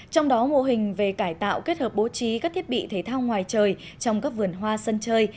trong đó mô hình về cải tạo kết hợp bố trí các thiết bị thể thao ngoài trời trong các vườn hoa sân chơi